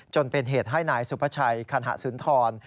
จนเป็นเหตุให้นายสุภาชัยคันหสุนทร